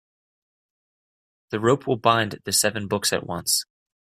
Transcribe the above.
The rope will bind the seven books at once.